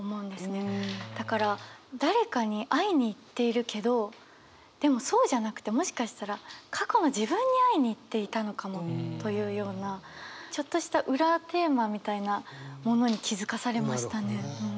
だから誰かに会いに行っているけどでもそうじゃなくてもしかしたら過去の自分に会いに行っていたのかもというようなちょっとした裏テーマみたいなものに気づかされましたね。